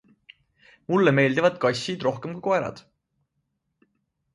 Mulle meeldivad kassid rohkem kui koerad.